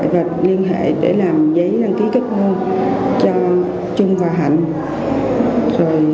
với mục đích thương mại